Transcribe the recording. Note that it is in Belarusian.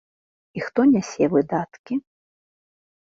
І хто нясе выдаткі?